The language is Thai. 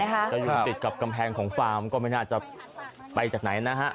ก็อยู่ติดกับกำแพงของฟาร์มก็ไม่น่าจะไปจากไหนนะฮะ